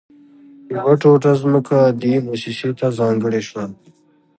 يوه ټوټه ځمکه دې مؤسسې ته ځانګړې شوه